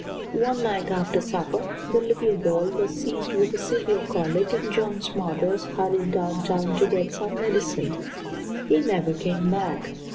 One night after supper the little girl was seized with a severe colic, and John Smothers hurried down town to get some medicine. He never came back.